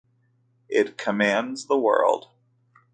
It commands the world.